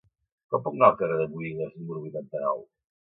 Com puc anar al carrer de Buïgas número vuitanta-nou?